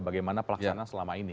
bagaimana pelaksanaan selama ini